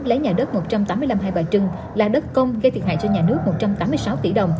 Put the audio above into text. lấy nhà đất một trăm tám mươi năm hai bà trưng là đất công gây thiệt hại cho nhà nước một trăm tám mươi sáu tỷ đồng